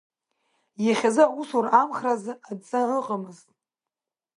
Иахьазы аусура амхра азы адҵа ыҟамызт.